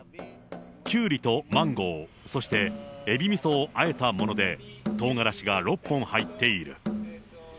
キュウリとマンゴー、そしてエビみそを和えたもので、とうがらしが６本入っている。